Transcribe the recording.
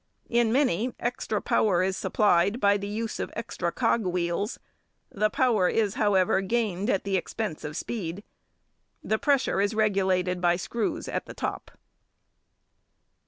In many, extra power is supplied by the use of extra cog wheels; the power is, however, gained at an expense of speed. The pressure is regulated by screws at the top.